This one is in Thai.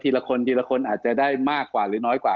ละคนทีละคนอาจจะได้มากกว่าหรือน้อยกว่า